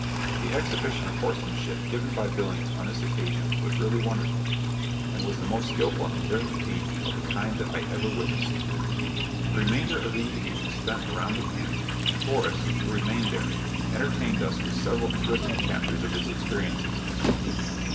The exhibition of horsemanship given by Billings on this occasion was really wonderful, and was the most skillful and daring feat of the kind that I ever witnessed. The remainder of the evening was spent around the camp, and Horace, who remained there, entertained us with several interesting chapters of his experiences.